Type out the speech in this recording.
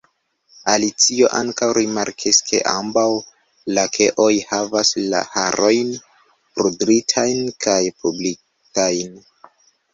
Alicio ankaŭ rimarkis ke ambaŭ lakeoj havas la harojn pudritajn kaj buklitajn.